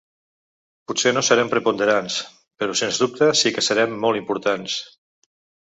Potser no serem preponderants, però sens dubte sí que serem molt importants.